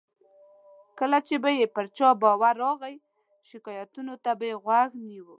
کله چې به یې پر چا باور راغی، شکایتونو ته یې غوږ نه نیو.